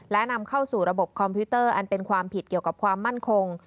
และนำเข้าสู่ระบบคอมพิวเตอร์อันเป็นความผิดเกี่ยวกับความมั่นคง